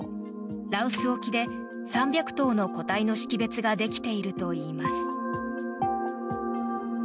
羅臼沖で３００頭の個体の識別ができているといいます。